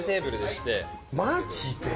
マジで？